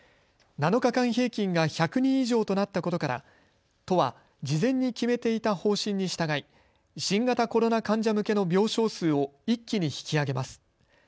７日間平均が１００人以上となったことから都は事前に決めていた方針に従い新型コロナ患者向けの病床数を一気に引き上げます。